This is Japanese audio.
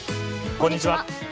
こんにちは。